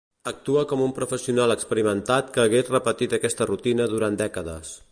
Actua com un professional experimentat que hagués repetit aquesta rutina durant dècades.